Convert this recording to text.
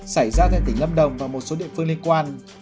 xảy ra tại tỉnh lâm đồng và một số địa phương liên quan